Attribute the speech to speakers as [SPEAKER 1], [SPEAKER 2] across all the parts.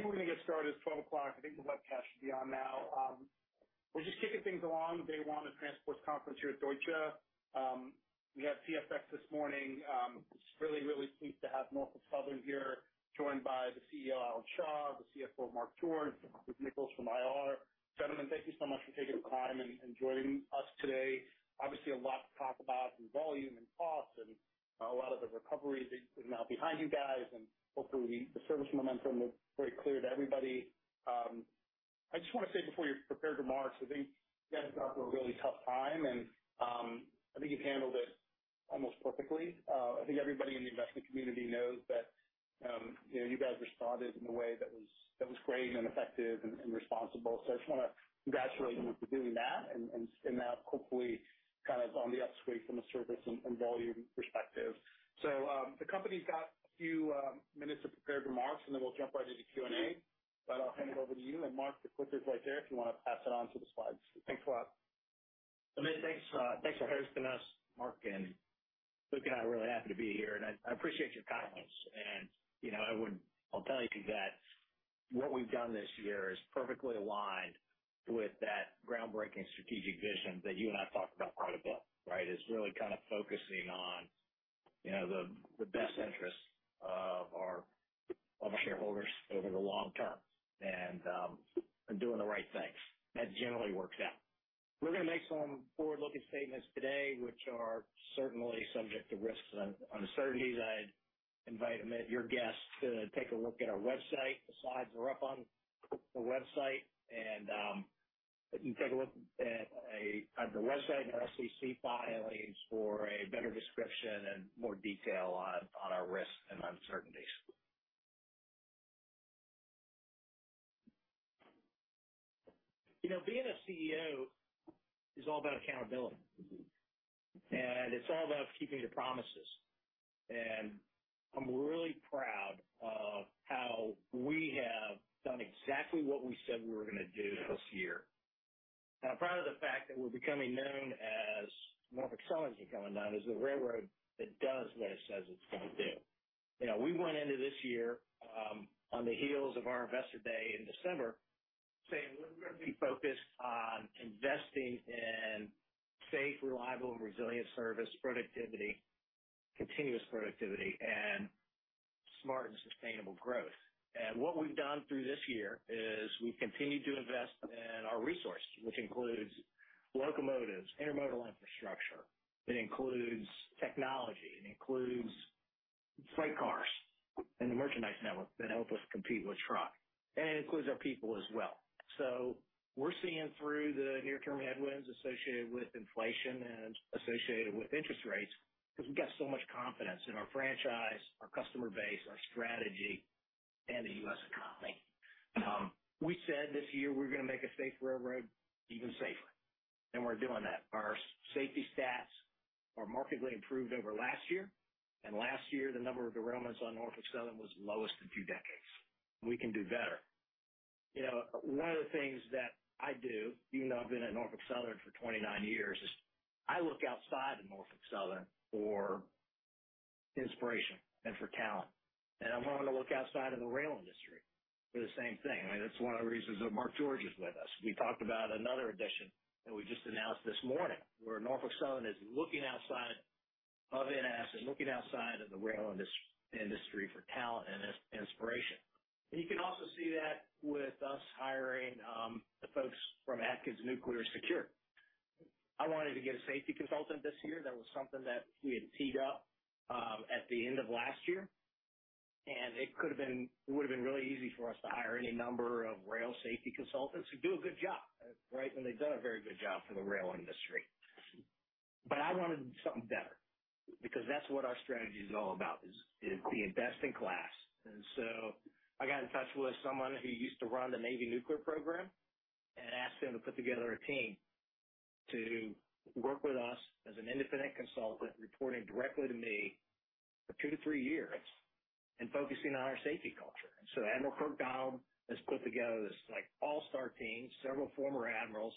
[SPEAKER 1] I think we're gonna get started. It's 12:00 P.M. I think the webcast should be on now. We're just kicking things along, day one of the transport conference here at Deutsche. We had CSX this morning. Just really, really pleased to have Norfolk Southern here, joined by the CEO, Alan Shaw, the CFO, Mark George, Luke Nichols from IR. Gentlemen, thank you so much for taking the time and, and joining us today. Obviously, a lot to talk about in volume and costs, and a lot of the recovery is now behind you guys, and hopefully, the service momentum is very clear to everybody. I just want to say before your prepared remarks, I think you guys got through a really tough time, and I think you've handled it almost perfectly. I think everybody in the investment community knows that, you know, you guys responded in a way that was, that was great and effective and, and responsible. I just want to congratulate you for doing that and, and now, hopefully, kind of on the upswing from a service and, and volume perspective. The company's got a few minutes of prepared remarks, and then we'll jump right into the Q&A. I'll hand it over to you, and, Mark, the clicker is right there if you want to pass it on to the slides. Thanks a lot.
[SPEAKER 2] Amit, thanks. Thanks for hosting us, Mark and Luke, I'm really happy to be here, and I, I appreciate your comments. You know, I'll tell you that what we've done this year is perfectly aligned with that groundbreaking strategic vision that you and I talked about quite a bit, right? It's really kind of focusing on, you know, the, the best interests of our, of our shareholders over the long term and doing the right things. That generally works out. We're gonna make some forward-looking statements today, which are certainly subject to risks and uncertainties. I'd invite, Amit, your guests to take a look at our website. The slides are up on the website, you can take a look at the website, our SEC filings, for a better description and more detail on, on our risks and uncertainties. You know, being a CEO is all about accountability, and it's all about keeping the promises. I'm really proud of how we have done exactly what we said we were gonna do this year. I'm proud of the fact that we're becoming known as Norfolk Southern, coming down as the railroad that does what it says it's going to do. You know, we went into this year, on the heels of our Investor Day in December, saying we're gonna be focused on investing in safe, reliable, and resilient service, productivity, continuous productivity, and smart and sustainable growth. What we've done through this year is we've continued to invest in our resources, which includes locomotives, intermodal infrastructure. It includes technology, it includes freight cars and the merchandise network that help us compete with truck, and it includes our people as well. We're seeing through the near-term headwinds associated with inflation and associated with interest rates, because we've got so much confidence in our franchise, our customer base, our strategy, and the U.S. economy. We said this year we're gonna make a safe railroad even safer, and we're doing that. Our safety stats are markedly improved over last year, and last year, the number of derailments on Norfolk Southern was lowest in two decades. We can do better. You know, one of the things that I do, even though I've been at Norfolk Southern for 29 years, is I look outside of Norfolk Southern for inspiration and for talent, and I'm willing to look outside of the rail industry for the same thing. I mean, that's one of the reasons that Mark George is with us. We talked about another addition that we just announced this morning, where Norfolk Southern is looking outside of NS and looking outside of the rail industry for talent and inspiration. You can also see that with us hiring the folks from Atkins Nuclear Secured. I wanted to get a safety consultant this year. That was something that we had teed up at the end of last year, and it would have been really easy for us to hire any number of rail safety consultants who do a good job, right? They've done a very good job for the rail industry. I wanted something better because that's what our strategy is all about, is being best in class. I got in touch with someone who used to run the Navy nuclear program and asked him to put together a team to work with us as an independent consultant, reporting directly to me for two to three years and focusing on our safety culture. Admiral Kirk Donald has put together this, like, all-star team, several former admirals,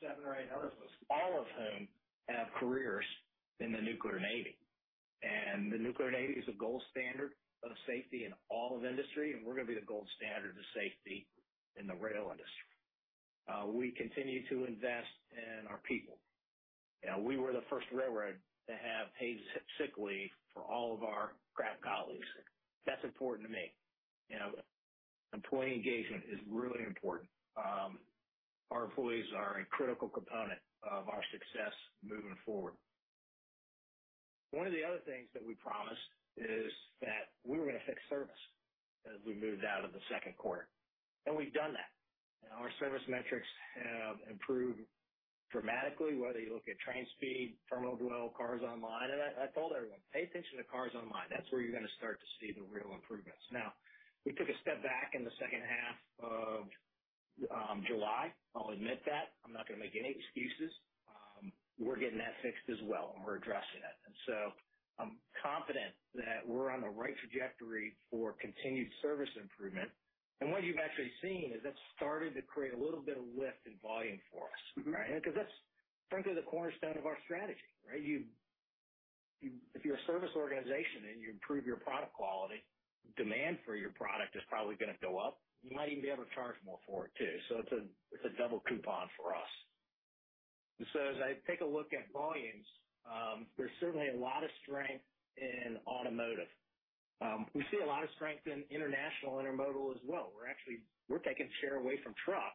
[SPEAKER 2] seven or eight others, all of whom have careers in the nuclear Navy. The nuclear Navy is a gold standard of safety in all of industry, and we're gonna be the gold standard of safety in the rail industry. We continue to invest in our people. You know, we were the first railroad to have paid sick leave for all of our craft colleagues. That's important to me. You know, employee engagement is really important. Our employees are a critical component of our success moving forward. One of the other things that we promised is that we were gonna fix service as we moved out of the second quarter, and we've done that. Our service metrics have improved dramatically, whether you look at train speed, terminal dwell, cars on line, and I, I told everyone, "Pay attention to cars on line. That's where you're gonna start to see the real improvements." We took a step back in the second half of July. I'll admit that. I'm not gonna make any excuses. We're getting that fixed as well, and we're addressing it. I'm confident that we're on the right trajectory for continued service improvement. What you've actually seen is that's started to create a little bit of lift in volume for us, right? Because that's frankly the cornerstone of our strategy, right? If you're a service organization, and you improve your product quality, demand for your product is probably going to go up. You might even be able to charge more for it, too. It's a, it's a double coupon for us. As I take a look at volumes, there's certainly a lot of strength in automotive. We see a lot of strength in international intermodal as well. We're taking share away from truck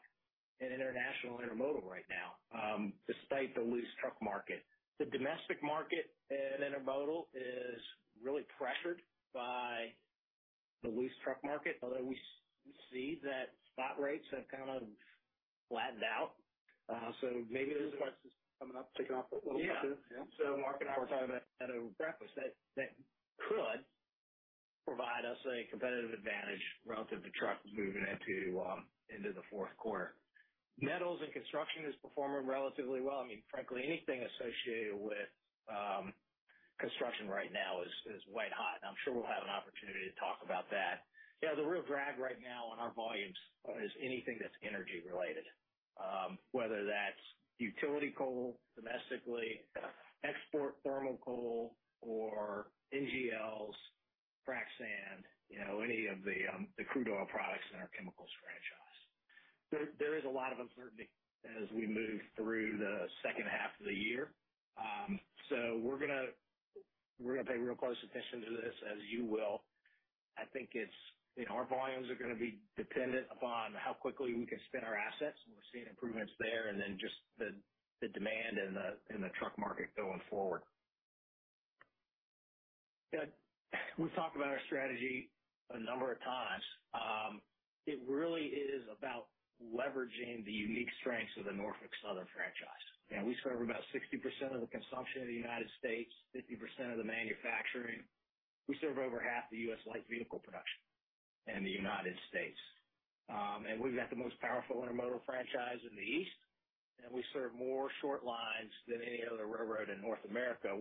[SPEAKER 2] in international intermodal right now, despite the loose truck market. The domestic market in intermodal is really pressured by the loose truck market, although we see that spot rates have kind of flattened out. So maybe—
[SPEAKER 1] Prices coming up, ticking up a little bit.
[SPEAKER 2] Yeah.
[SPEAKER 1] Yeah.
[SPEAKER 2] Mark and I were talking about that over breakfast, that, that could provide us a competitive advantage relative to trucks moving into, into the fourth quarter. Metals and construction is performing relatively well. I mean, frankly, anything associated with construction right now is, is white hot, and I'm sure we'll have an opportunity to talk about that. You know, the real drag right now on our volumes is anything that's energy related, whether that's utility coal domestically, export thermal coal, or NGLs, frac sand, you know, any of the, the crude oil products in our chemicals franchise. There, there is a lot of uncertainty as we move through the second half of the year. We're gonna, we're gonna pay real close attention to this, as you will. I think it's... You know, our volumes are gonna be dependent upon how quickly we can spin our assets, and we're seeing improvements there, and then just the, the demand in the, in the truck market going forward. Yeah, we've talked about our strategy a number of times. It really is about leveraging the unique strengths of the Norfolk Southern franchise. We serve about 60% of the consumption of the U.S., 50% of the manufacturing. We serve over half the U.S. light vehicle production in the United States. We've got the most powerful intermodal franchise in the East, and we serve more short lines than any other railroad in North America,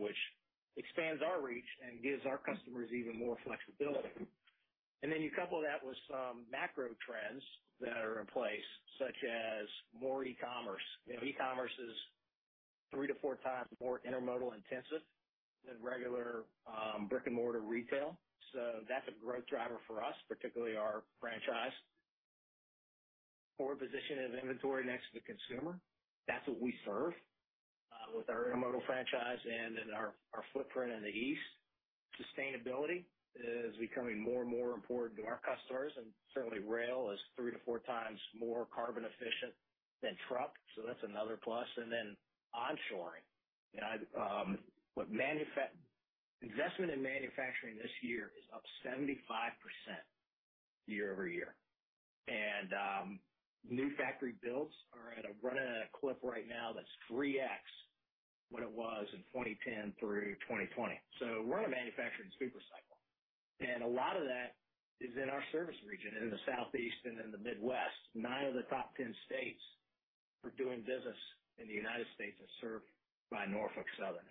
[SPEAKER 2] which expands our reach and gives our customers even more flexibility. Then, you couple that with some macro trends that are in place, such as more e-commerce. You know, e-commerce is three to four times more intermodal intensive than regular brick-and-mortar retail, so that's a growth driver for us, particularly our franchise. Poor position of inventory next to the consumer, that's what we serve with our intermodal franchise and in our, our footprint in the East. Sustainability is becoming more and more important to our customers, and certainly rail is three to four times more carbon efficient than truck, so that's another plus. Then onshoring. You know, investment in manufacturing this year is up 75% year-over-year. New factory builds are running at a clip right now that's 3x what it was in 2010 through 2020. We're in a manufacturing super cycle, and a lot of that is in our service region, in the Southeast and in the Midwest. Nine of the top 10 states for doing business in the United States are served by Norfolk Southern.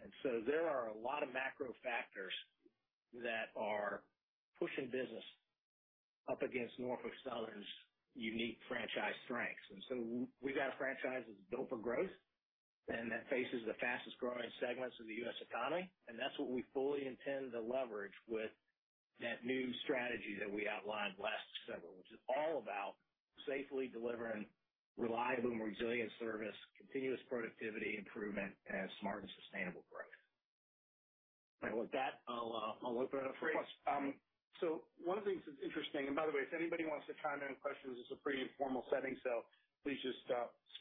[SPEAKER 2] There are a lot of macro factors that are pushing business up against Norfolk Southern's unique franchise strengths. We've got a franchise that's built for growth and that faces the fastest growing segments of the U.S. economy, and that's what we fully intend to leverage with that new strategy that we outlined last December, which is all about safely delivering reliable and resilient service, continuous productivity improvement, and smart and sustainable growth. With that, I'll open it up for questions.
[SPEAKER 1] One of the things that's interesting. By the way, if anybody wants to chime in questions, it's a pretty informal setting, so please just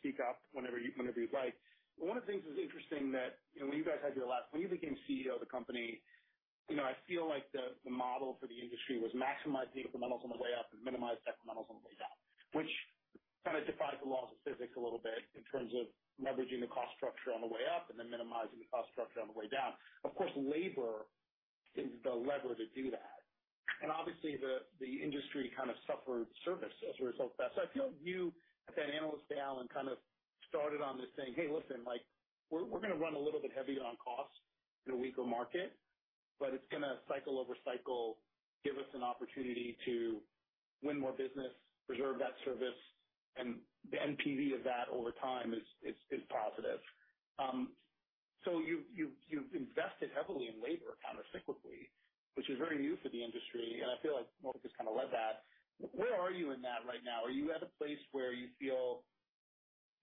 [SPEAKER 1] speak up whenever you, whenever you'd like. One of the things that's interesting that, you know, when you guys had your last, when you became CEO of the company, you know, I feel like the, the model for the industry was maximize the fundamentals on the way up and minimize fundamentals on the way down, which kind of defies the laws of physics a little bit in terms of leveraging the cost structure on the way up and then minimizing the cost structure on the way down. Of course, labor is the lever to do that, and obviously, the, the industry kind of suffered service as a result of that. I feel you, at that Analyst Day, Alan, kind of started on this saying: "Hey, listen, like, we're, we're gonna run a little bit heavy on cost in a weaker market, but it's gonna cycle over cycle, give us an opportunity to win more business, preserve that service, and the NPV of that over time is, is, is positive." You've, you've, you've invested heavily in labor countercyclically, which is very new for the industry, and I feel like Norfolk has kind of led that. Where are you in that right now? Are you at a place where you feel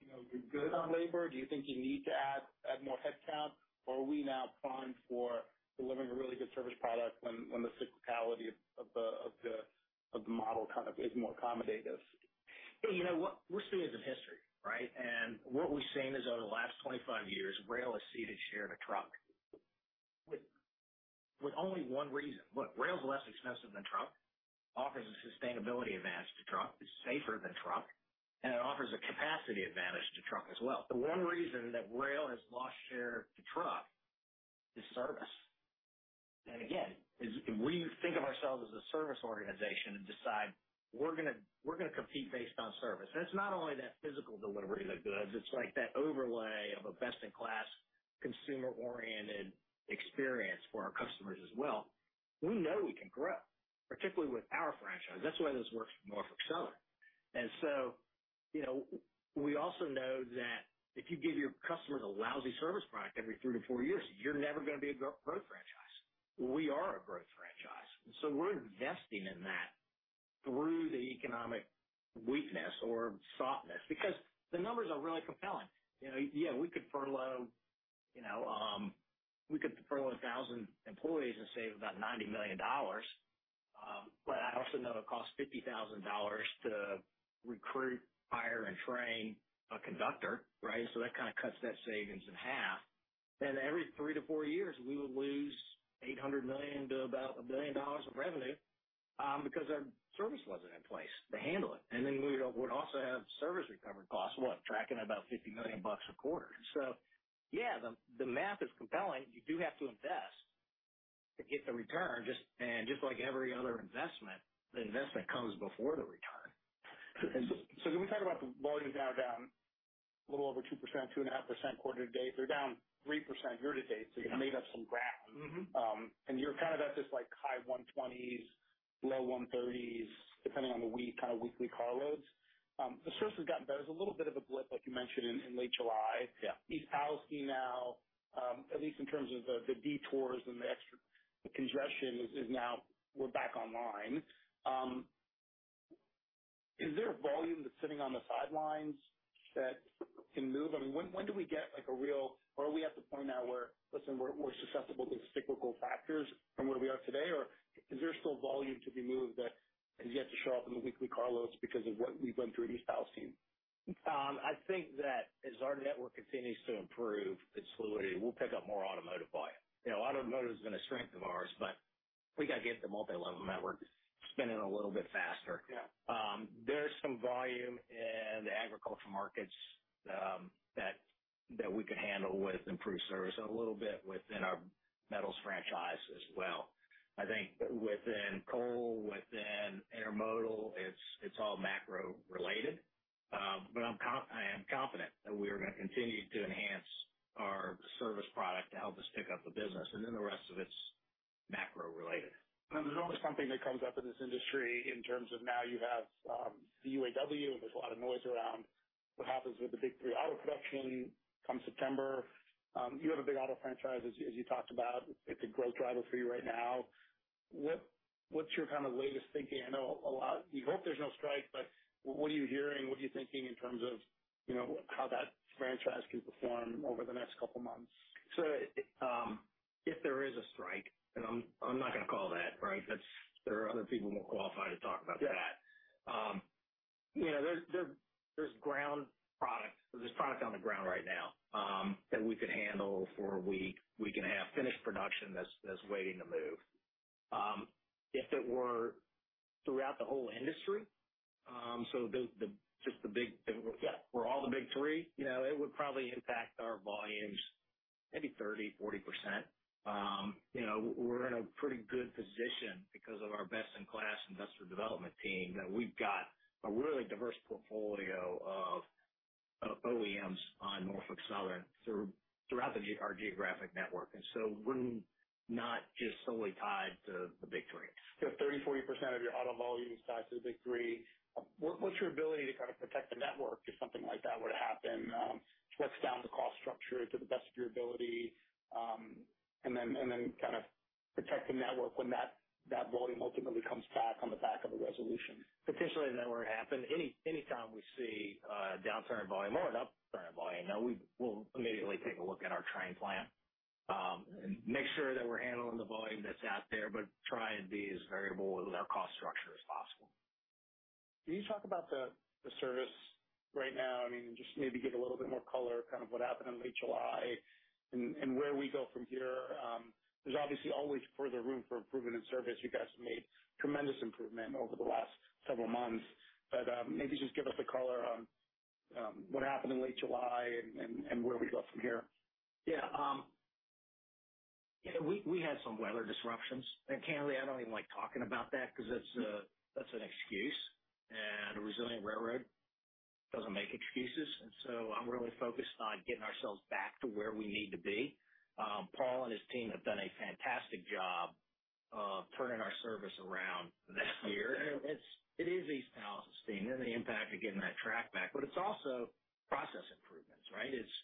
[SPEAKER 1] you know you're good on labor? Do you think you need to add, add more headcount? Or are we now primed for delivering a really good service product when, when the cyclicality of the, of the, of the model kind of is more accommodative?
[SPEAKER 2] Hey, you know what? We're students of history, right? What we've seen is over the last 25 years, rail has ceded share to truck with only one reason. Look, rail is less expensive than truck, offers a sustainability advantage to truck, is safer than truck, and it offers a capacity advantage to truck as well. The one reason that rail has lost share to truck is service. Again, as we think of ourselves as a service organization and decide we're gonna compete based on service, and it's not only that physical delivery of the goods, it's like that overlay of a best-in-class, consumer-oriented experience for our customers as well. We know we can grow, particularly with our franchise. That's the way this works for Norfolk Southern. You know, we also know that if you give your customers a lousy service product every three to four years, you're never gonna be a growth franchise. We are a growth franchise, we're investing in that through the economic weakness or softness, because the numbers are really compelling. You know, yeah, we could furlough, you know, we could furlough 1,000 employees and save about $90 million, I also know it costs $50,000 to recruit, hire, and train a conductor, right? That kind of cuts that savings in half. Every three to four years, we would lose $800 million to about $1 billion of revenue, because our service wasn't in place to handle it. We would also have service recovery costs, what? Tracking about $50 million a quarter. Yeah, the, the math is compelling. You do have to invest to get the return. Just like every other investment, the investment comes before the return.
[SPEAKER 1] Can we talk about the volumes now down a little over 2%, 2.5% quarter-to-date. They're down 3% year-to-date, so you've made up some ground. You're kind of at this, like, high 120s, low 130s, depending on the week, kind of, weekly car loads. The service has gotten better. There's a little bit of a blip, like you mentioned in, in late July. East Palestine now, at least in terms of the, the detours and the extra congestion is, is now we're back online. Is there a volume that's sitting on the sidelines that can move? I mean, when, when do we get, like, a real... Are we at the point now where, listen, we, we're susceptible to cyclical factors from where we are today, or is there still volume to be moved that has yet to show up in the weekly car loads because of what we've went through in East Palestine?
[SPEAKER 2] I think that as our network continues to improve its fluidity, we'll pick up more automotive buy-in. You know, automotive has been a strength of ours, but we gotta get the multi-level network spinning a little bit faster. There's some volume in the agriculture markets, that, that we could handle with improved service, a little bit within our metals franchise as well. I think within coal, within intermodal, it's, it's all macro related, but I am confident that we are gonna continue to enhance our service product to help us pick up the business, and then the rest of it's macro related.
[SPEAKER 1] There's always something that comes up in this industry in terms of now you have the UAW, and there's a lot of noise around what happens with the Big Three auto production come September. You have a big auto franchise, as you, as you talked about. It's a growth driver for you right now. What, what's your kind of latest thinking? I know a lot... You hope there's no strike, but what are you hearing? What are you thinking in terms of, you know, how that franchise can perform over the next couple months?
[SPEAKER 2] If there is a strike, and I'm, I'm not gonna call that, right? That's— There are other people more qualified to talk about that. You know, there's, there's, there's ground product. There's product on the ground right now, that we could handle for a week, week and a half, finished production that's, that's waiting to move. If it were throughout the whole industry, so the, the, just the Big, yeah, for all the Big Three, you know, it would probably impact our volumes maybe 30%, 40%. You know, we're in a pretty good position because of our best-in-class industrial development team, that we've got a really diverse portfolio of, of OEMs on Norfolk Southern throughout our geographic network, and so we're not just solely tied to the Big Three.
[SPEAKER 1] 30%, 40% of your auto volume is tied to the Big Three. What's your ability to kind of protect the network if something like that were to happen? What's down the cost structure to the best of your ability, and then kind of protect the network when that, that volume ultimately comes back on the back of a resolution?
[SPEAKER 2] Potentially, that were to happen, any, anytime we see a downturn in volume or an upturn in volume, now we will immediately take a look at our train plan, and make sure that we're handling the volume that's out there, but try and be as variable with our cost structure as possible.
[SPEAKER 1] Can you talk about the, the service right now? I mean, just maybe give a little bit more color, kind of what happened in late July and, and where we go from here? There's obviously always further room for improvement in service. You guys have made tremendous improvement over the last several months, but, maybe just give us a color on, what happened in late July and, and, and where we go from here.
[SPEAKER 2] Yeah, yeah, we, we had some weather disruptions. Candidly, I don't even like talking about that because that's a, that's an excuse, a resilient railroad doesn't make excuses, I'm really focused on getting ourselves back to where we need to be. Paul and his team have done a fantastic job of turning our service around this year. It's, it is East Palestine and the impact of getting that track back, but it's also process improvements, right? It's,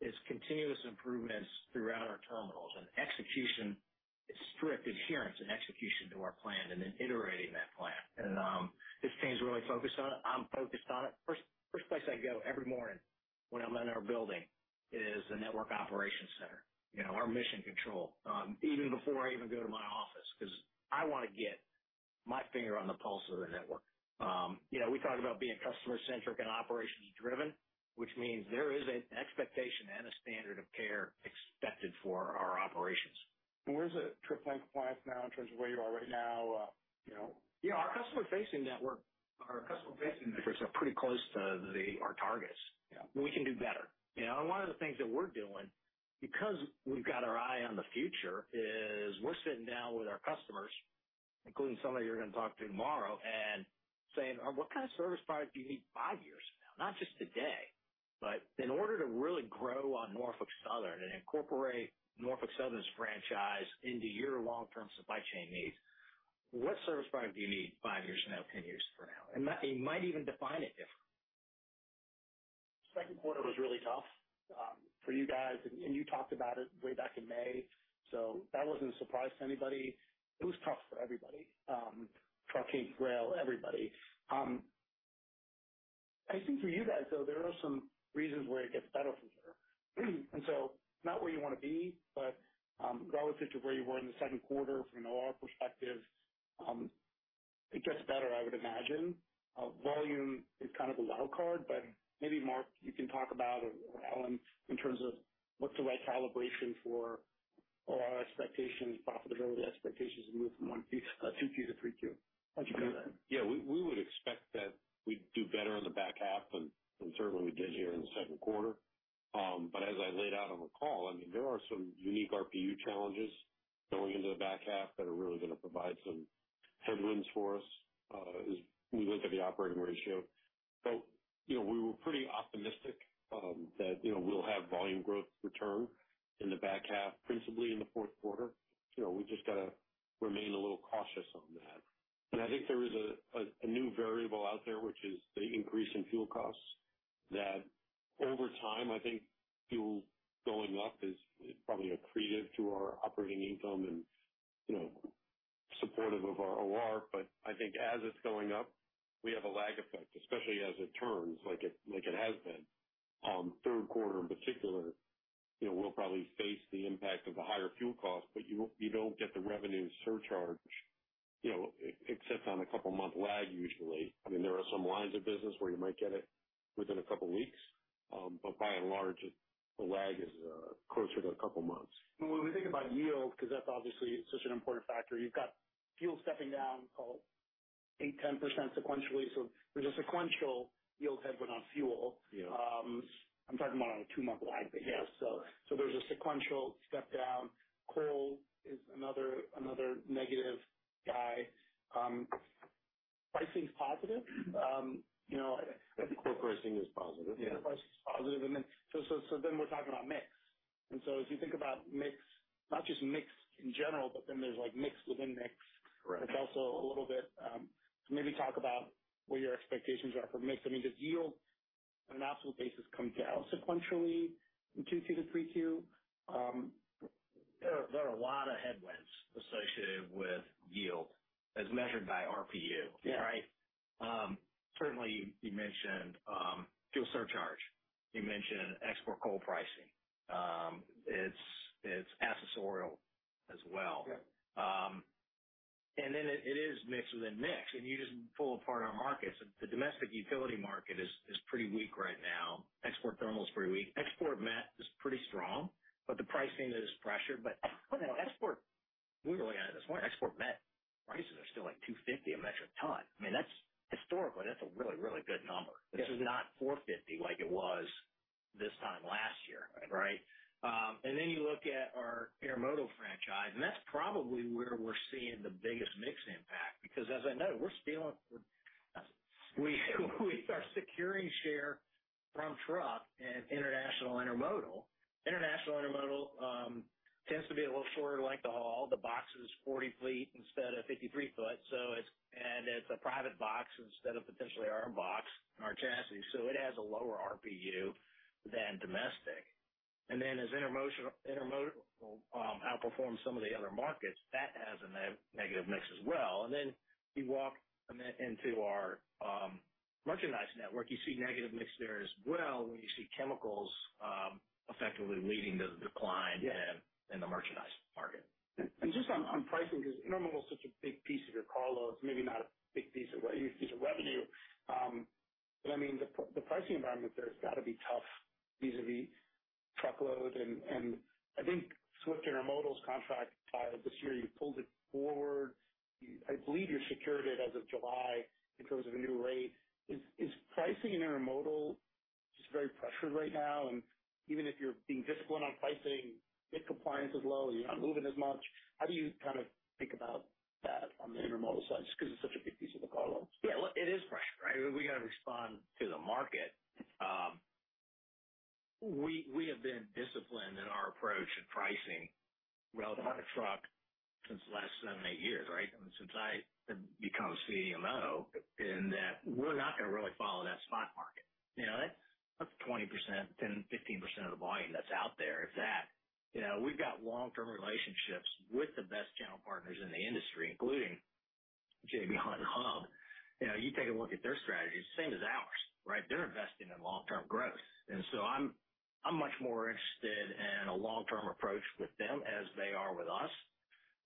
[SPEAKER 2] it's continuous improvements throughout our terminals and execution, strict adherence and execution to our plan and then iterating that plan. This team's really focused on it. I'm focused on it. First, first place I go every morning when I'm in our building is the network operations center, you know, our mission control, even before I even go to my office, because I wanna get my finger on the pulse of the network. You know, we talk about being customer-centric and operationally driven, which means there is an expectation and a standard of care expected for our operations.
[SPEAKER 1] Where's the Trip Plan Compliance now in terms of where you are right now, you know?
[SPEAKER 2] Yeah, our customer-facing network, our customer-facing networks are pretty close to the, our targets. We can do better. You know, one of the things that we're doing, because we've got our eye on the future, is we're sitting down with our customers, including some of you are gonna talk to tomorrow, and saying: "What kind of service product do you need five years from now? Not just today, but in order to really grow on Norfolk Southern and incorporate Norfolk Southern's franchise into your long-term supply chain needs?
[SPEAKER 1] What service product do you need five years from now, 10 years from now? It might even define it differently. Second quarter was really tough for you guys, and you talked about it way back in May, so that wasn't a surprise to anybody. It was tough for everybody, trucking, rail, everybody. I think for you guys, though, there are some reasons where it gets better from here. Not where you want to be, but relative to where you were in the second quarter from an OR perspective, it gets better, I would imagine. Volume is kind of a wild card, but maybe, Mark, you can talk about or Alan, in terms of what's the right calibration for OR expectations, profitability expectations to move from 1Q, 2Q to 3Q? How'd you do that?
[SPEAKER 3] Yeah, we, we would expect that we'd do better in the back half than, than certainly we did here in the second quarter. As I laid out on the call, I mean, there are some unique RPU challenges going into the back half that are really going to provide some headwinds for us, as we look at the operating ratio. You know, we were pretty optimistic, that, you know, we'll have volume growth return in the back half, principally in the fourth quarter. You know, we just got to remain a little cautious on that. I think there is a new variable out there, which is the increase in fuel costs, that over time, I think fuel going up is, is probably accretive to our operating income and, you know, supportive of our OR. I think as it's going up, we have a lag effect, especially as it turns like it, like it has been. third quarter, in particular, you know, we'll probably face the impact of the higher fuel costs, but you don't get the revenue surcharge, you know, except on a couple of month lag, usually. I mean, there are some lines of business where you might get it within a couple of weeks, but by and large, the lag is closer to a couple of months.
[SPEAKER 1] When we think about yield, because that's obviously such an important factor, you've got fuel stepping down call 8%, 10% sequentially. There's a sequential yield headwind on fuel. I'm talking about a two-month lag, but yeah. There's a sequential step down. Coal is another, another negative guy. Pricing's positive. You know.
[SPEAKER 3] I think coal pricing is positive.
[SPEAKER 1] Yeah, pricing is positive. Then, so then we're talking about mix. So as you think about mix, not just mix in general, but then there's, like, mix within mix. It's also a little bit. Maybe talk about what your expectations are for mix. I mean, does yield on an absolute basis come down sequentially from 2Q to 3Q?
[SPEAKER 2] There are, there are a lot of headwinds associated with yield as measured by RPU. Right? Certainly, you mentioned fuel surcharge. You mentioned export coal pricing. It's, it's accessorial as well. Then it, it is mix within mix, and you just pull apart our markets. The domestic utility market is pretty weak right now. Export thermal is pretty weak. Export met is pretty strong, but the pricing is pressured. Well, export, we were looking at it this morning, export met prices are still, like, $250 a metric ton. I mean, that's historically, that's a really, really good number. This is not 450 like it was this time last year. Right? Then you look at our intermodal franchise, and that's probably where we're seeing the biggest mix impact, because as I know, we're stealing— we, we are securing share from truck and international intermodal. International intermodal tends to be a little shorter length of haul. The box is 40 ft instead of 53 ft, so it's... It's a private box instead of potentially our box and our chassis, so it has a lower RPU than domestic. Then as intermodal outperforms some of the other markets, that has a negative mix as well. Then you walk into our merchandise network, you see negative mix there as well, when you see chemicals effectively leading the decline in, in the merchandise market.
[SPEAKER 1] Just on, on pricing, because intermodal is such a big piece of your carload, maybe not a big piece, piece of revenue. But I mean, the pricing environment there has got to be tough vis-a-vis truckload, and I think Swift Intermodal's contract this year, you pulled it forward. I believe you secured it as of July in terms of a new rate. Is pricing in intermodal just very pressured right now? Even if you're being disciplined on pricing, if compliance is low and you're not moving as much, how do you kind of think about that on the intermodal side? Just because it's such a big piece of the cargo.
[SPEAKER 2] Yeah, well, it is pressure, right? We got to respond to the market. We, we have been disciplined in our approach to pricing relative to truck since the last seven, eight years, right? Since I become CMO, in that we're not going to really follow that spot market. You know, that's, that's 20%, 10%, 15% of the volume that's out there. If that, you know, we've got long-term relationships with the best channel partners in the industry, including J.B. Hunt and Hub. You know, you take a look at their strategy, it's the same as ours, right? They're investing in long-term growth. I'm, I'm much more interested in a long-term approach with them as they are with us,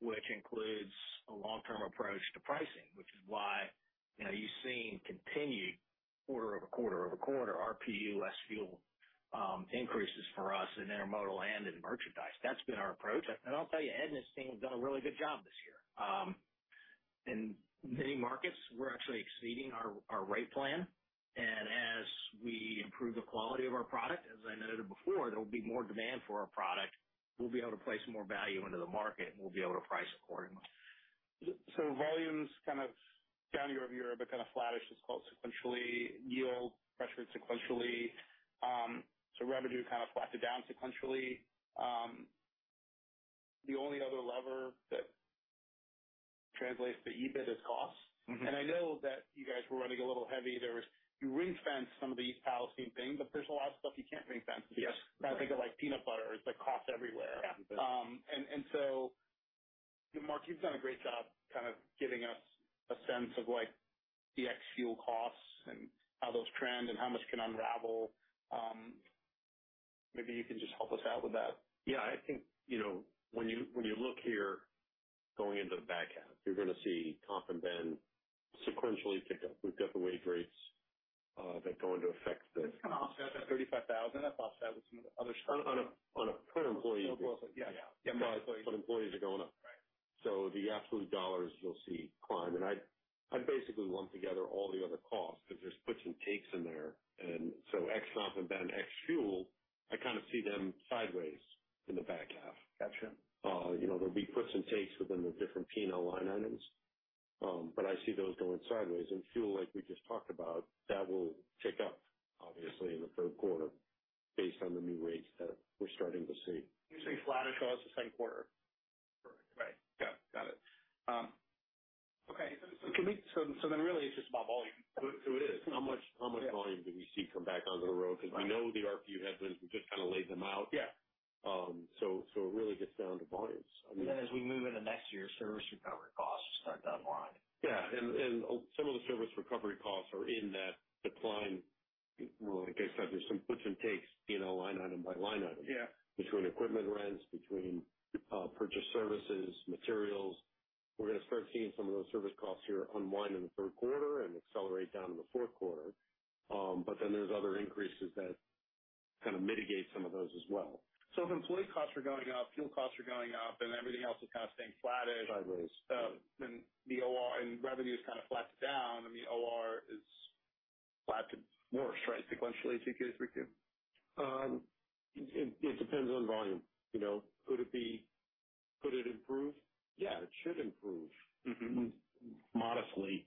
[SPEAKER 2] which includes a long-term approach to pricing, which is why, you know, you've seen continued quarter-over-quarter-over-quarter RPU less fuel increases for us in intermodal and in merchandise. That's been our approach. I'll tell you, Ed and his team have done a really good job this year. In many markets, we're actually exceeding our, our rate plan. As we improve the quality of our product, as I noted before, there will be more demand for our product. We'll be able to place more value into the market, and we'll be able to price accordingly.
[SPEAKER 1] Volumes down year-over-year, but kind of flattish as well, sequentially, yield pressured sequentially, so revenue kind of flatted down sequentially. The only other lever that translates to EBIT is costs? I know that you guys were running a little heavy. You ring-fenced some of the Palestine thing, but there's a lot of stuff you can't ring-fence.
[SPEAKER 3] Yes.
[SPEAKER 1] I think of, like, peanut butter. It's like costs everywhere.
[SPEAKER 3] Yeah.
[SPEAKER 1] Mark, you've done a great job kind of giving us a sense of, like, the ex-fuel costs and how those trend and how much can unravel. Maybe you can just help us out with that.
[SPEAKER 3] Yeah, I think, you know, when you, when you look here, going into the back half, you're going to see comp and ben sequentially pick up. We've got the wage rates that go into effect the—
[SPEAKER 1] It's kind of offset that $35,000. That's offset with some of the other stuff.
[SPEAKER 3] On a per employee.
[SPEAKER 1] Yeah. Yeah.
[SPEAKER 3] Employees are going up.
[SPEAKER 1] Right.
[SPEAKER 3] The absolute dollars you'll see climb, and I, I basically lumped together all the other costs because there's puts and takes in there, and so ex comp and ben ex fuel, I kind of see them sideways in the back half. You know, there'll be puts and takes within the different P&L line items, but I see those going sideways and fuel, like we just talked about, that will tick up, obviously, in the third quarter based on the new rates that we're starting to see.
[SPEAKER 1] You say flattish costs the second quarter?
[SPEAKER 3] Correct.
[SPEAKER 1] Right. Got it. Okay, really, it's just about volume.
[SPEAKER 3] It is. How much, how much volume do we see come back onto the road? We know the RPU headwinds. We just kind of laid them out. So it really gets down to volumes.
[SPEAKER 2] Then as we move into next year, service recovery costs start to unwind.
[SPEAKER 3] Yeah, and some of the service recovery costs are in that decline. Like I said, there's some puts and takes in a line item by line item between equipment rents, between, purchased services, materials. We're going to start seeing some of those service costs here unwind in the third quarter and accelerate down in the fourth quarter. There's other increases that kind of mitigate some of those as well.
[SPEAKER 1] If employee costs are going up, fuel costs are going up, and everything else is kind of staying flattish.
[SPEAKER 3] Sideways.
[SPEAKER 1] The OR and revenue is kind of flatted down, and the OR is flat to worse, right, sequentially, 2Q, 3Q?
[SPEAKER 3] It, it depends on volume. You know, could it be... Could it improve? Yeah, it should improve. Modestly.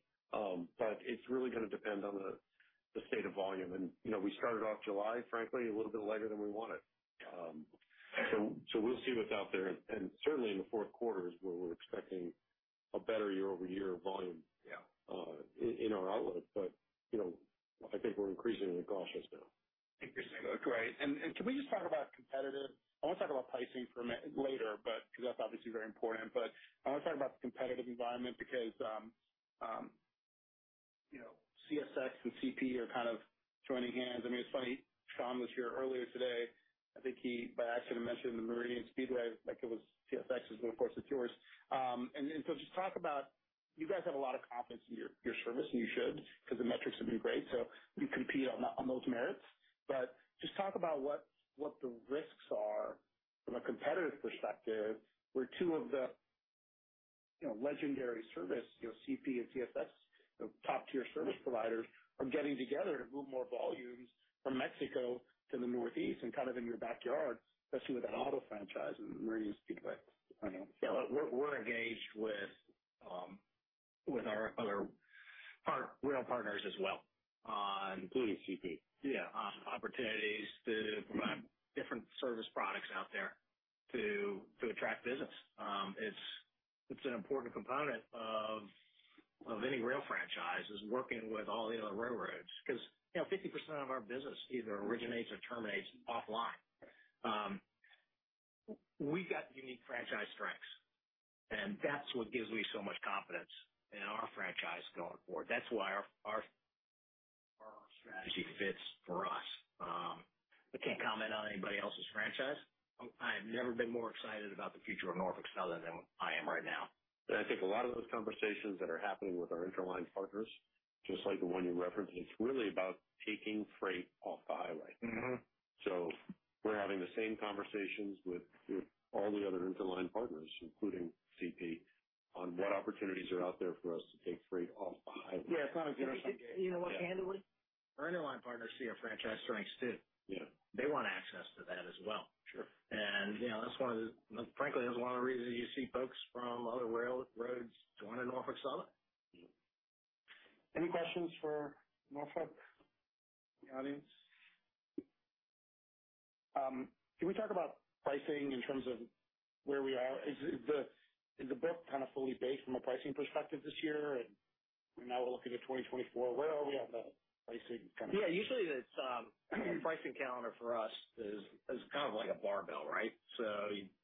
[SPEAKER 3] It's really going to depend on the, the state of volume. You know, we started off July, frankly, a little bit lighter than we wanted. We'll see what's out there, and certainly in the fourth quarter is where we're expecting a better year-over-year volume in, in our outlook, but, you know, I think we're increasingly cautious now.
[SPEAKER 1] Interesting. Great. Can we just talk about competitive? I want to talk about pricing for a minute later, but because that's obviously very important. I want to talk about the competitive environment because, you know, CSX and CP are kind of joining hands. I mean, it's funny, Tom was here earlier today. I think he, by accident, mentioned the Meridian Speedway, like it was CSX's, but of course, it's yours. So just talk about, you guys have a lot of confidence in your, your service, and you should, because the metrics have been great, so you compete on, on those merits. Just talk about what, what the risks are from a competitive perspective, where two of the, you know, legendary service, you know, CP and CSX, the top-tier service providers, are getting together to move more volumes from Mexico to the Northeast and kind of in your backyard, especially with that auto franchise and Meridian Speedway?
[SPEAKER 2] Yeah, we're, we're engaged with, with our other rail partners as well.
[SPEAKER 3] Including CP.
[SPEAKER 2] Yeah, on opportunities to provide different service products out there to attract business. It's an important component of any rail franchise, is working with all the other railroads because, you know, 50% of our business either originates or terminates offline. We got unique franchise strengths, and that's what gives me so much confidence in our franchise going forward. That's why our strategy fits for us. I can't comment on anybody else's franchise. I have never been more excited about the future of Norfolk Southern than I am right now.
[SPEAKER 3] I think a lot of those conversations that are happening with our interline partners, just like the one you referenced, it's really about taking freight off the highway. We're having the same conversations with all the other interline partners, including CP, on what opportunities are out there for us to take freight off the highway.
[SPEAKER 2] Our interline partners see our franchise strengths, too. They want access to that as well. You know, that's one of the— Frankly, that's one of the reasons you see folks from other railroads joining Norfolk Southern.
[SPEAKER 1] Any questions for Norfolk? The audience. Can we talk about pricing in terms of where we are? Is the, is the book kind of fully baked from a pricing perspective this year, and now we're looking at 2024? Where are we on the pricing kind of?
[SPEAKER 2] Yeah, usually, the pricing calendar for us is, is kind of like a barbell, right?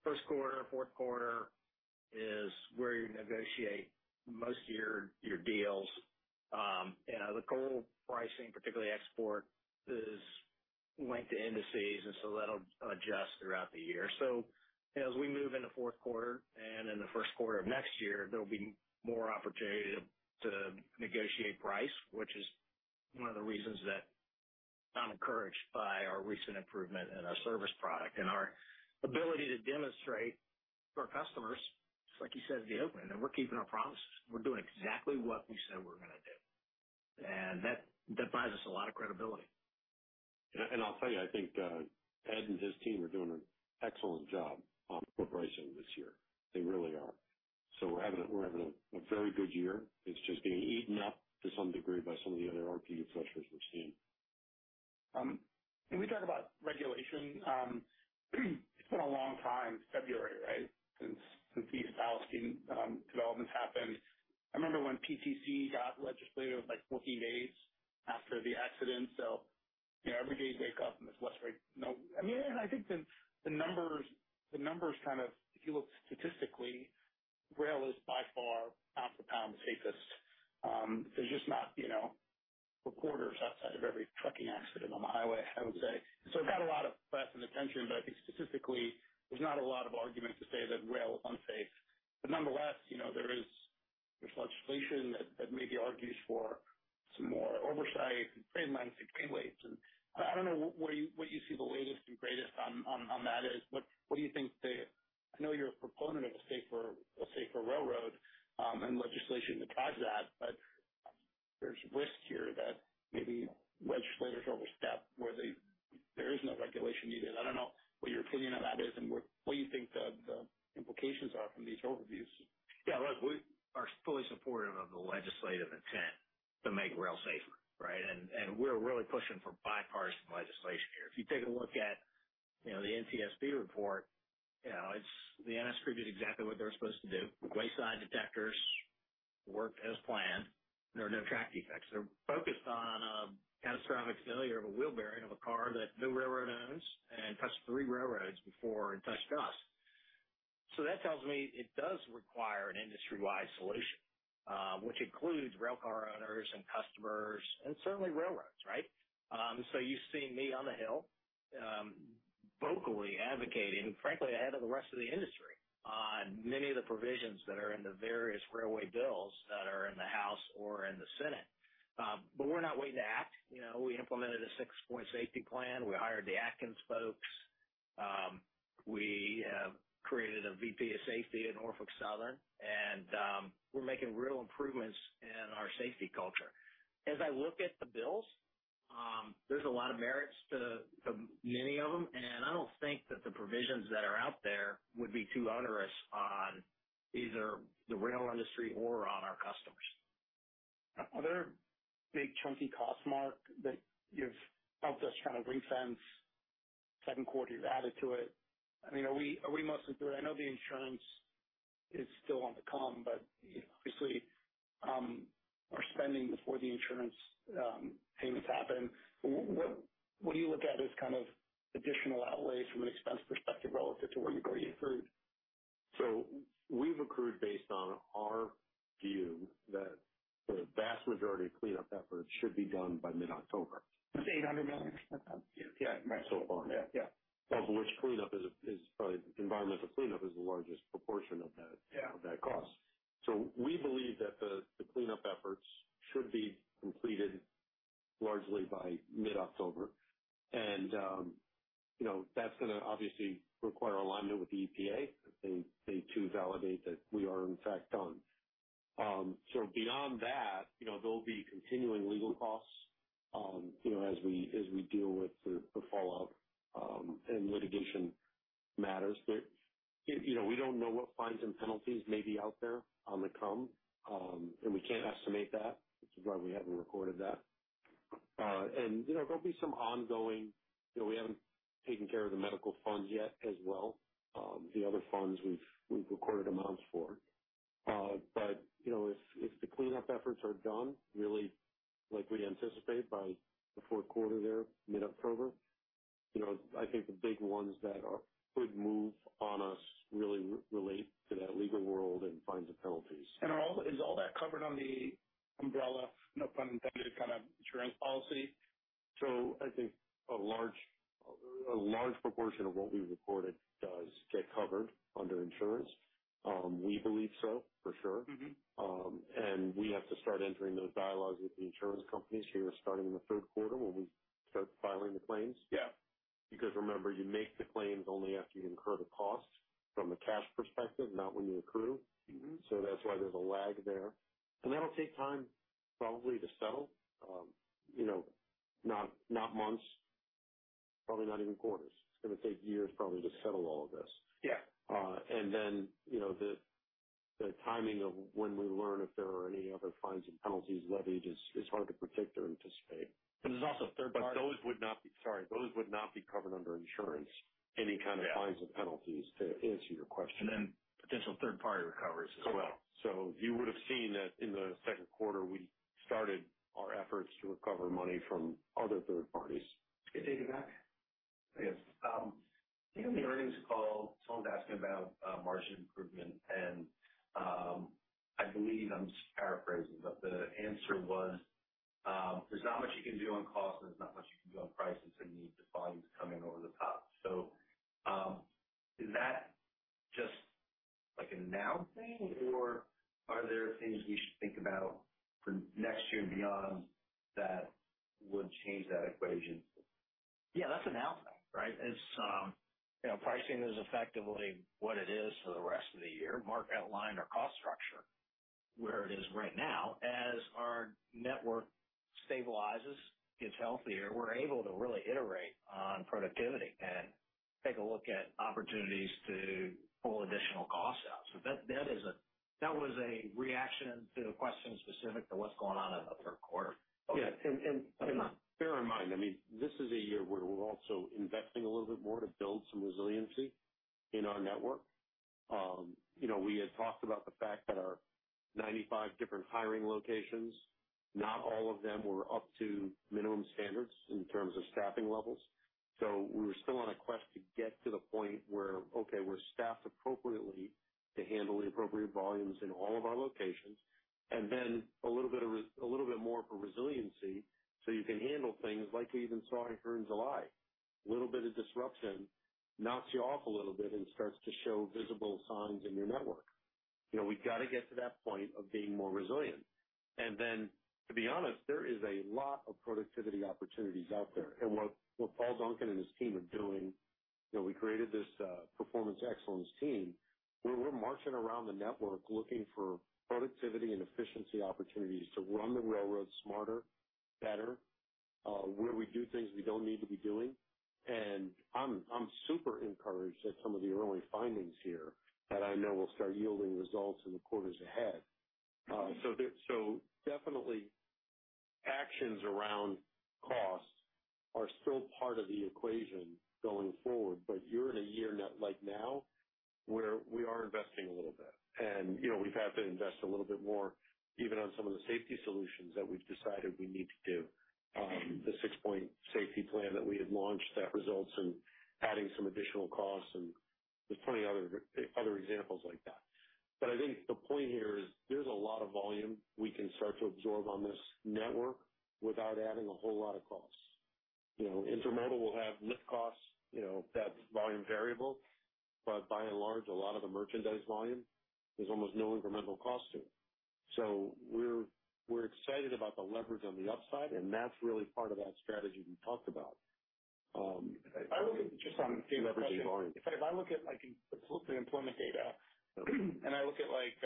[SPEAKER 2] First quarter, fourth quarter is where you negotiate most of your, your deals. The coal pricing, particularly export, is linked to indices, and so that'll adjust throughout the year. As we move into fourth quarter and in the first quarter of next year, there'll be more opportunity to, to negotiate price, which is one of the reasons that I'm encouraged by our recent improvement in our service product and our ability to demonstrate to our customers, just like you said at the opening, that we're keeping our promises. We're doing exactly what we said we're going to do. That, that buys us a lot of credibility.
[SPEAKER 3] I'll tell you, I think, Ed and his team are doing an excellent job on pricing this year. They really are. We're having a very good year. It's just being eaten up to some degree by some of the other RPU pressures we've seen.
[SPEAKER 1] Can we talk about regulation? It's been a long time, February, right, since, since these East Palestine developments happened. I remember when PTC got legislated, it was like 14 days after the accident. You know, every day you wake up and it's less, right? I mean, I think the numbers, the numbers kind of, if you look statistically, rail is by far pound-for-pound the safest. There's just not, you know, reporters outside of every trucking accident on the highway, I would say. It got a lot of press and attention, but I think specifically, there's not a lot of argument to say that rail is unsafe. Nonetheless, you know, there's legislation that, that maybe argues for some more oversight and train lengths and train weights. I don't know what you, what you see the latest and greatest on, on, on that is. What, what do you think the... I know you're a proponent of a safer, a safer railroad, and legislation to drive that, but there's risk here that maybe legislators overstep where there is no regulation needed? I don't know what your opinion on that is and what, what you think the, the implications are from these overviews?
[SPEAKER 2] Yeah, look, we are fully supportive of the legislative intent to make rail safer, right? We're really pushing for bipartisan legislation here. If you take a look at, you know, the NTSB report, you know, the NS crew did exactly what they were supposed to do. The wayside detectors worked as planned. There were no track defects. They're focused on a catastrophic failure of a wheel bearing of a car that no railroad owns and touched three railroads before it touched us. That tells me it does require an industry-wide solution, which includes rail car owners and customers and certainly railroads, right? You've seen me on the Hill, vocally advocating, frankly, ahead of the rest of the industry, on many of the provisions that are in the various railway bills that are in the House or in the Senate. We're not waiting to act. You know, we implemented a six-point safety plan. We hired the Atkins folks. We have created a VP of safety at Norfolk Southern, and we're making real improvements in our safety culture. As I look at the bills, there's a lot of merits to many of them, and I don't think that the provisions that are out there would be too onerous on either the rail industry or on our customers.
[SPEAKER 1] Are there big, chunky costs, Mark, that you've helped us kind of refence second quarter, you've added to it? I mean, are we, are we mostly through it? I know the insurance is still on to come, but obviously, our spending before the insurance payments happen. What, what do you look at as kind of additional outlays from an expense perspective relative to where you've already accrued?
[SPEAKER 3] We've accrued based on our view that the vast majority of cleanup efforts should be done by mid-October.
[SPEAKER 1] It's $800 million?
[SPEAKER 3] Yeah. So far. Of which cleanup is probably environmental cleanup is the largest proportion of that, of that cost. We believe that the, the cleanup efforts should be completed largely by mid-October. You know, that's gonna obviously require alignment with the EPA. They, they too, validate that we are in fact done. Beyond that, you know, there'll be continuing legal costs, you know, as we, as we deal with the, the fallout, and litigation matters. You know, we don't know what fines and penalties may be out there on the come, and we can't estimate that, which is why we haven't recorded that. And, you know, there'll be some ongoing, you know, we haven't taken care of the medical funds yet as well, the other funds we've, we've recorded amounts for. You know, if, if the cleanup efforts are done, really, like we anticipate by the fourth quarter there, mid-October, you know, I think the big ones that could move on us really relate to that legal world and fines and penalties.
[SPEAKER 1] Is all that covered on the umbrella, no pun intended, kind of insurance policy?
[SPEAKER 3] I think a large, a large proportion of what we recorded does get covered under insurance. We believe so, for sure. We have to start entering those dialogues with the insurance companies here, starting in the third quarter when we start filing the claims. Remember, you make the claims only after you incur the costs from a cash perspective, not when you accrue. That's why there's a lag there. That'll take time probably to settle, you know, not, not months, probably not even quarters. It's gonna take years, probably, to settle all of this. Then, you know, the, the timing of when we learn if there are any other fines and penalties levied is, is hard to predict or anticipate.
[SPEAKER 1] There's also third party.
[SPEAKER 3] Those would not be... Sorry, those would not be covered under insurance, any kind of fines or penalties, to answer your question.
[SPEAKER 2] Then potential third-party recoveries as well.
[SPEAKER 3] You would have seen that in the second quarter, we started our efforts to recover money from other third parties.
[SPEAKER 1] [Hey, David, back]?
[SPEAKER 4] Yes. In the earnings call, someone's asking about margin improvement, and I believe I'm just paraphrasing, but the answer was, there's not much you can do on cost, and there's not much you can do on pricing, so you need the volumes coming over the top. Is that just like a now thing, or are there things we should think about for next year and beyond that would change that equation?
[SPEAKER 2] Yeah, that's a now thing, right? It's, you know, pricing is effectively what it is for the rest of the year. Mark outlined our cost structure, where it is right now. As our network stabilizes, gets healthier, we're able to really iterate on productivity and take a look at opportunities to pull additional costs out. That, that was a reaction to the question specific to what's going on in the third quarter.
[SPEAKER 3] Yeah, bear in mind, I mean, this is a year where we're also investing a little bit more to build some resiliency in our network. You know, we had talked about the fact that our 95 different hiring locations, not all of them were up to minimum standards in terms of staffing levels. We were still on a quest to get to the point where, okay, we're staffed appropriately to handle the appropriate volumes in all of our locations, and then a little bit more for resiliency, so you can handle things like we even saw occur in July. Little bit of disruption knocks you off a little bit and starts to show visible signs in your network. You know, we've got to get to that point of being more resilient. Then, to be honest, there is a lot of productivity opportunities out there. What, what Paul Duncan and his team are doing, you know, we created this performance excellence team, where we're marching around the network looking for productivity and efficiency opportunities to run the railroad smarter, better, where we do things we don't need to be doing. I'm, I'm super encouraged at some of the early findings here that I know will start yielding results in the quarters ahead. Definitely, actions around costs are still part of the equation going forward, but you're in a year now, like now, where we are investing a little bit. You know, we've had to invest a little bit more, even on some of the safety solutions that we've decided we need to do. The six-point safety plan that we had launched, that results in adding some additional costs, and there's plenty other, other examples like that. I think the point here is there's a lot of volume we can start to absorb on this network without adding a whole lot of costs. You know, intermodal will have lift costs, you know, that's volume variable, but by and large, a lot of the merchandise volume, there's almost no incremental cost to it. We're, we're excited about the leverage on the upside, and that's really part of that strategy we talked about. Leveraging volume.
[SPEAKER 1] If I look at, like, employment data, I look at, like,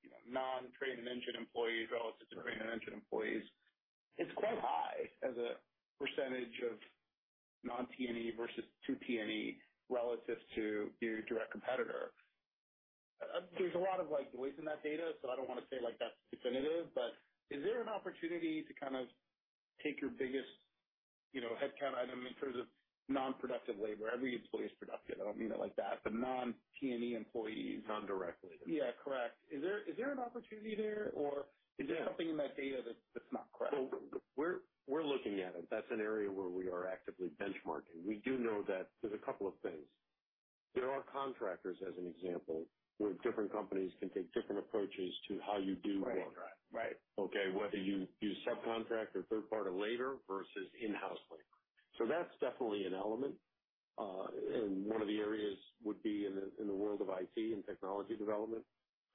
[SPEAKER 1] you know, non-train and engine employees relative to train and engine employees, it's quite high as a percentage of non-T&E versus to T&E relative to your direct competitor. There's a lot of, like, noise in that data, so I don't want to say, like, that's definitive, but is there an opportunity to kind of take your biggest, you know, headcount item in terms of non-productive labor? Every employee is productive, I don't mean it like that, but non-T&E employees.
[SPEAKER 3] Non-direct labor.
[SPEAKER 1] Yeah, correct. Is there, is there an opportunity there, or is there something in that data that's, that's not correct?
[SPEAKER 3] Well, we're, we're looking at it. That's an area where we are actively benchmarking. We do know that there's a couple of things. There are contractors, as an example, where different companies can take different approaches to how you do work. Okay, whether you use subcontract or third-party labor versus in-house labor. That's definitely an element. One of the areas would be in the, in the world of IT and technology development,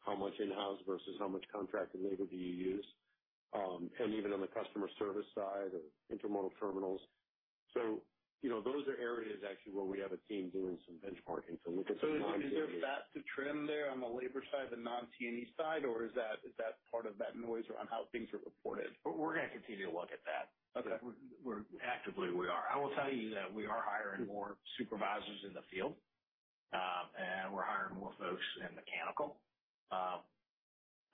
[SPEAKER 3] how much in-house versus how much contracted labor do you use? Even on the customer service side of intermodal terminals. You know, those are areas actually where we have a team doing some benchmarking to look at the non-T&E-
[SPEAKER 1] Is there fat to trim there on the labor side, the non-T&E side, or is that, is that part of that noise around how things are reported?
[SPEAKER 2] We're going to continue to look at that. We're-- actively, we are. I will tell you that we are hiring more supervisors in the field, and we're hiring more folks in mechanical.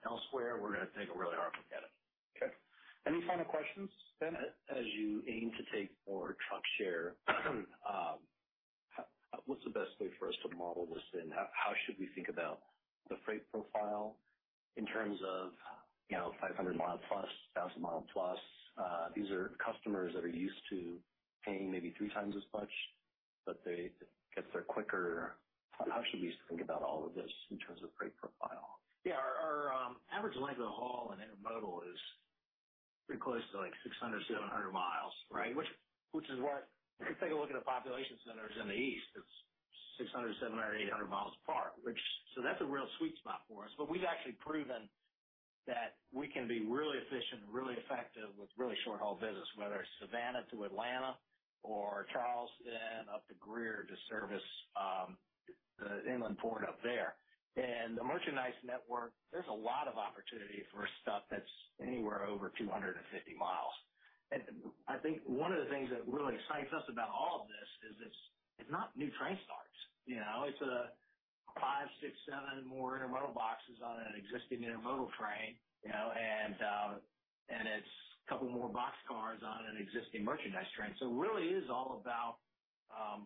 [SPEAKER 2] Elsewhere, we're going to take a really hard look at it.
[SPEAKER 1] Okay. Any final questions? Ben?
[SPEAKER 5] As you aim to take more truck share, what's the best way for us to model this then? How should we think about the freight profile in terms of, you know, 500 mi plus, 1,000 mi plus? These are customers that are used to paying maybe three times as much, but they get there quicker. How should we think about all of this in terms of freight profile?
[SPEAKER 2] Yeah, our, our average length of haul in intermodal is pretty close to, like, 600 mi, 700 mi, right? If you take a look at the population centers in the east, it's 600 mi, 700 mi, or 800 mi apart, which, that's a real sweet spot for us. We've actually proven that we can be really efficient, really effective with really short-haul business, whether it's Savannah to Atlanta or Charleston up to Greer to service the inland port up there. The merchandise network, there's a lot of opportunity for stuff that's anywhere over 250 mi. I think one of the things that really excites us about all of this is it's, it's not new train starts. You know, it's a five, six, seven more intermodal boxes on an existing intermodal train, you know, and, and it's a couple more boxcars on an existing merchandise train. It really is all about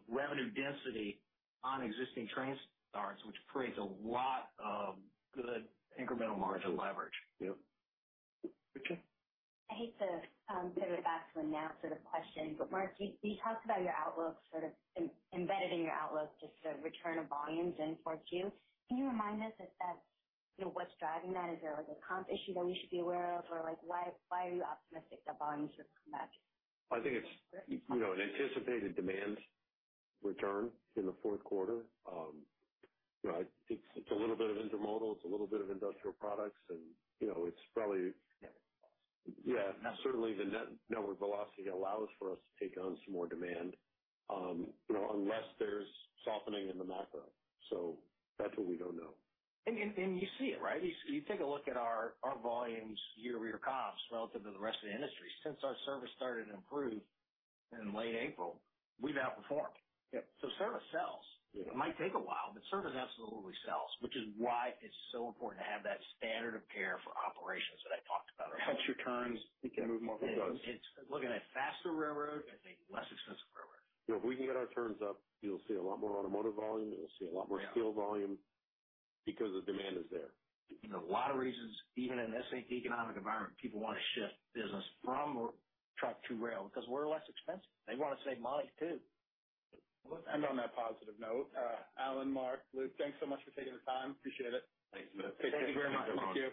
[SPEAKER 2] revenue density on existing train starts, which creates a lot of good incremental margin leverage.
[SPEAKER 3] Yep. Rachel?
[SPEAKER 6] I hate to go back to an answer the question, but Mark, you, you talked about your outlook, sort of embedded in your outlook, just the return of volumes in 4Q. Can you remind us if that's, you know, what's driving that? Is there, like, a comp issue that we should be aware of? Or, like, why, why are you optimistic that volumes should come back?
[SPEAKER 3] I think it's, you know, an anticipated demand return in the fourth quarter. You know, I think it's a little bit of intermodal, it's a little bit of industrial products, and, you know, it's probably—
[SPEAKER 2] Yeah.
[SPEAKER 3] Yeah, certainly, the network velocity allows for us to take on some more demand, you know, unless there's softening in the macro. That's what we don't know.
[SPEAKER 2] You see it, right? You, you take a look at our, our volumes, year-over-year comps relative to the rest of the industry. Since our service started to improve in late April, we've outperformed. Service sells. It might take a while, but service absolutely sells, which is why it's so important to have that standard of care for operations that I talked about earlier.
[SPEAKER 1] Cut your turns, you can move more goods.
[SPEAKER 2] It's looking at a faster railroad and a less expensive railroad.
[SPEAKER 3] You know, if we can get our turns up, you'll see a lot more automotive volume, you'll see a lot more steel volume because the demand is there.
[SPEAKER 2] There's a lot of reasons, even in this economic environment, people want to shift business from truck to rail because we're less expensive. They want to save money, too.
[SPEAKER 1] On that positive note, Alan, Mark, Luke, thanks so much for taking the time. Appreciate it.
[SPEAKER 3] Thanks, Amit.
[SPEAKER 2] Thank you very much.
[SPEAKER 1] Thank you.